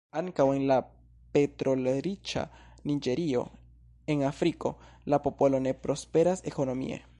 Ankaŭ en la petrolriĉa Niĝerio, en Afriko, la popolo ne prosperas ekonomie.